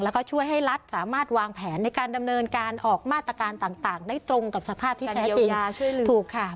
แล้วก็ช่วยให้รัฐสามารถวางแผนในการดำเนินการออกมาตรการต่างได้ตรงกับสภาพที่แท้จริงถูกค่ะ